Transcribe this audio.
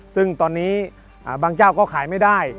ซึ่งตอนนี้บางเจ้าก็ขายไม่ได้